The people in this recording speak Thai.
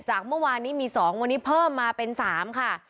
จากเมื่อวานนี้มี๒วันนี้เพิ่มมาเป็น๓ค่ะ